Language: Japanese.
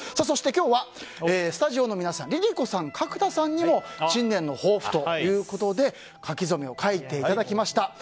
そして今日はスタジオの皆さんＬｉＬｉＣｏさん、角田さんにも新年の抱負ということで書き初めを書いていただきました。